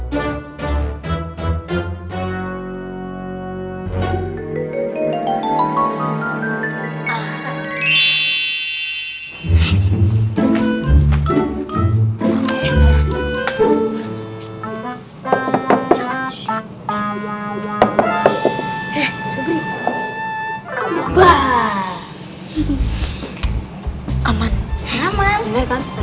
bener kan aman ya